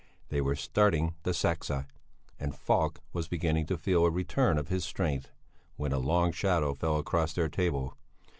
They were starting the "sexa," and Falk was beginning to feel a return of his strength, when a long shadow fell across their table.